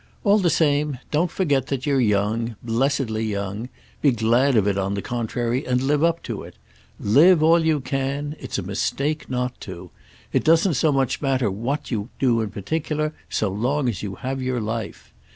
All the same don't forget that you're young—blessedly young; be glad of it on the contrary and live up to it. Live all you can; it's a mistake not to. It doesn't so much matter what you do in particular, so long as you have your life.